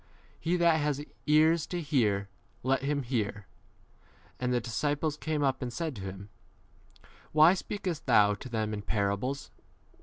He that has ears 10 to hear, let him hear. And the disciples came up and said to him, Why speakest thou to them in 11 parables